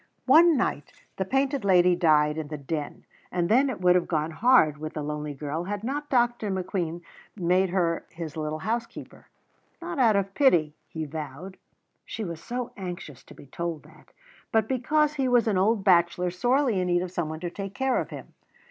One night the Painted Lady died in the Den, and then it would have gone hard with the lonely girl had not Dr. McQueen made her his little housekeeper, not out of pity, he vowed (she was so anxious to be told that), but because he was an old bachelor sorely in need of someone to take care of him.